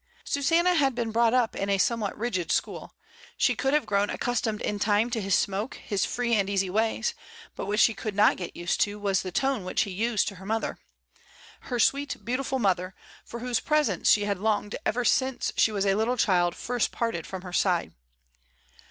Susanna had been brought up in a somewhat rigid school. She could have grown accustomed in time to his smoke, his free and easy ways; but what she could not get used to was the tone which he used to her mother, — her sweet beautiful mother, for whose pre sence she had longed ever since she was a little child first parted firom her side.